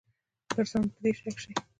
پر ځان به دې شک شي.